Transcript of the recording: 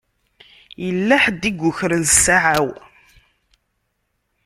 Yella ḥedd i yukren ssaɛa-w.